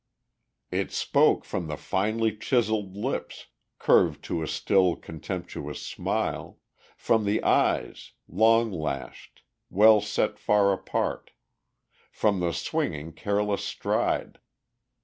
It spoke from the finely chiselled lips, curved to a still, contemptuous smile, from the eyes, long lashed, well set far apart, from the swinging careless stride.